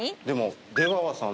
でも。